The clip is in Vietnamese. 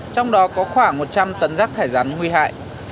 trong đó có khoảng một trăm linh tấn rác thải rắn nguy hại